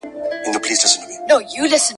کوډي منتر سوځوم !.